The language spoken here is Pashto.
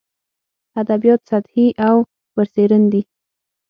ادبیات سطحي او برسېرن دي.